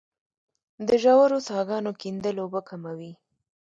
د ژورو څاګانو کیندل اوبه کموي